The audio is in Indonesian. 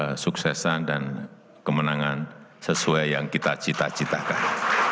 semoga suksesan dan kemenangan sesuai yang kita cita citakan